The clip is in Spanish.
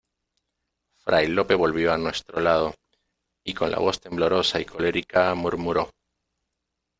fray Lope volvió a nuestro lado, y con la voz temblorosa y colérica murmuró: